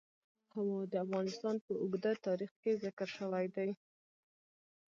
هوا د افغانستان په اوږده تاریخ کې ذکر شوی دی.